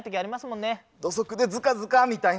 土足でずかずかみたいな。